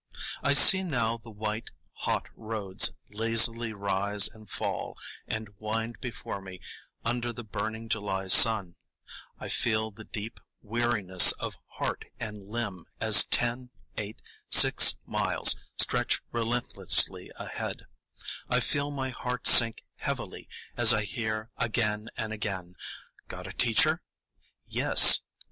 I see now the white, hot roads lazily rise and fall and wind before me under the burning July sun; I feel the deep weariness of heart and limb as ten, eight, six miles stretch relentlessly ahead; I feel my heart sink heavily as I hear again and again, "Got a teacher? Yes."